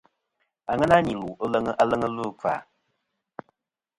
Àŋena nì lù aleŋ ɨlvɨ ikfa.